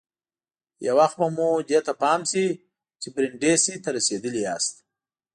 یو وخت به مو دې ته پام شي چې برېنډېسي ته رسېدلي یاست.